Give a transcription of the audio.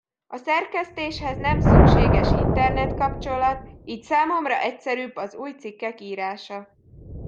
A szerkesztéshez nem szükséges internet-kapcsolat, így számomra egyszerűbb az új cikkek írása.